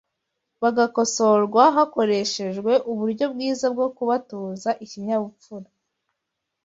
bagakosorwa hakoreshejwe uburyo bwiza bwo kubatoza ikinyabupfura